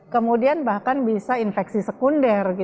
kemudian bahkan bisa infeksi sekunder